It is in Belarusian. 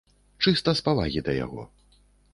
Чыста з павагі да яго.